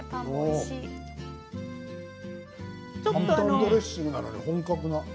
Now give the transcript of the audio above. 簡単ドレッシングなのに本格的な。